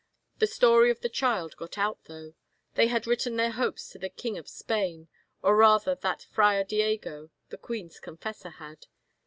The story of the child got out, though. They had written their hopes to the King of Spain, or rather that Friar Diego, the queen's con fessor, had.